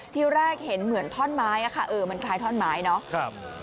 ที่แรกเห็นเหมือนท่อนไม้ค่ะเออมันคล้ายท่อนไม้เนาะ